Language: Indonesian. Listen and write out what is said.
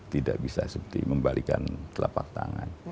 tidak bisa seperti membalikan telapak tangan